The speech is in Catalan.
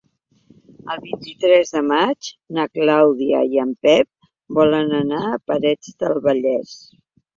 El vint-i-tres de maig na Clàudia i en Pep volen anar a Parets del Vallès.